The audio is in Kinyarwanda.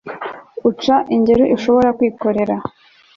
uca ingeri ashobora kwikorera